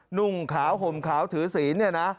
นุ่งขาวห่มขาวถือศีลเนี่ยนะ